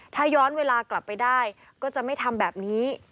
ถ้าย้อนเวลากลับไปได้ก็จะไม่ทำแบบนี้